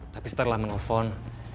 tapi setelah menelfon